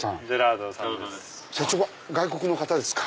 社長は外国の方ですか？